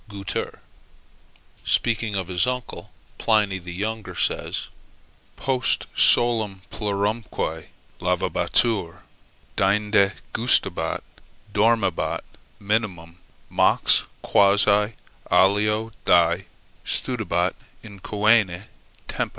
gouter] Speaking of his uncle, Pliny the Younger says "Post solem plerumque lavabatur; deinde gustabat; dormiebat minimum; mox, quasi alio die, studebat in coenæ tempus".